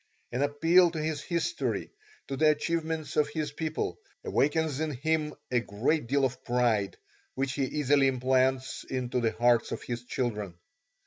An appeal to his history, to the achievements of his people, awakens in him a great deal of pride, which he easily implants into the hearts of his children.